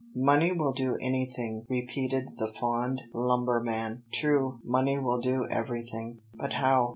"Money will do anything," repeated the fond lumberman; "true, money will do everything." But how?